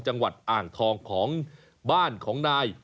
จังหวัดอ่างทองของบ้านของนาย